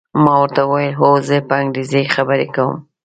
ما ورته وویل: هو، زه په انګریزي خبرې کوم.